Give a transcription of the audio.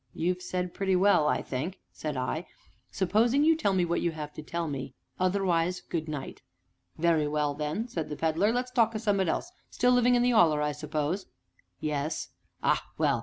"You've said pretty well, I think," said I; "supposing you tell me what you have to tell me otherwise good night!" "Very well then!" said the Pedler, "let's talk o' summ'at else; still livin' in the 'Oller, I suppose?" "Yes." "Ah, well!